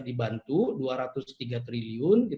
dibantu rp dua ratus tiga triliun